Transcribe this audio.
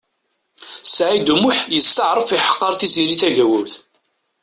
Saɛid U Muḥ yesṭeɛref iḥeqqeṛ Tiziri Tagawawt.